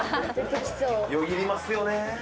よぎりますよね。